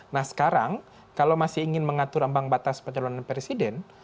nah sekarang kalau masih ingin mengatur ambang batas pencalonan presiden